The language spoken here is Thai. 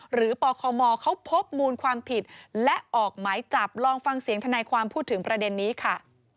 ปคมเขาพบมูลความผิดและออกหมายจับลองฟังเสียงทนายความพูดถึงประเด็นนี้ค่ะ